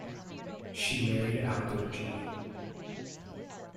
She married Albert Jee.